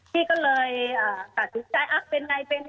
พี่ก็เลยตัดสินใจอ้าวเป็นไงเป็นกัน